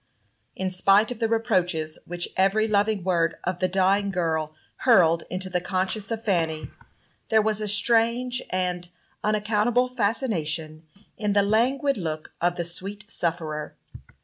In spite of the reproaches which every loving word of the dying girl hurled into the conscience of Fanny, there was a strange and unaccountable fascination in the languid look of the sweet sufferer.